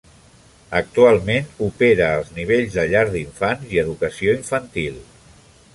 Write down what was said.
Actualment opera als nivells de llar d'infants i educació infantil.